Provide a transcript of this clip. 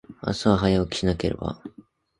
明日は、早起きしなければ。